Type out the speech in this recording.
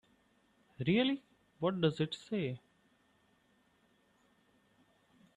Really, what does it say?